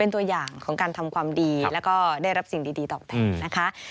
ตัวอย่างของการทำความดีแล้วก็ได้รับสิ่งดีตอบแทนนะคะ